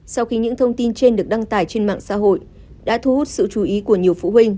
sau khi những thông tin trên được đăng tải trên mạng xã hội đã thu hút sự chú ý của nhiều phụ huynh